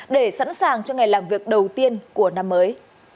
để sẵn sàng cho ngày làm việc đầu tiên của năm mới